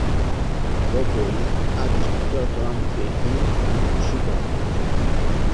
Dopo il ha disputato anche il in Sudafrica.